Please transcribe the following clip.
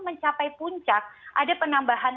mencapai puncak ada penambahan